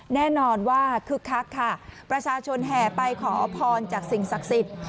แน่นอนว่าคึกคักค่ะประชาชนแห่ไปขอพรจากสิ่งศักดิ์สิทธิ์